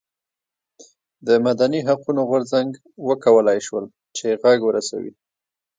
د مدني حقونو غورځنګ وکولای شول چې غږ ورسوي.